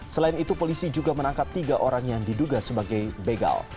selain itu polisi juga menangkap tiga orang yang diduga sebagai begal